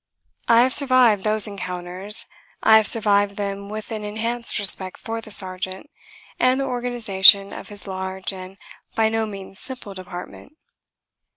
I have survived those encounters. I have survived them with an enhanced respect for the sergeant and the organisation of his large and by no means simple department.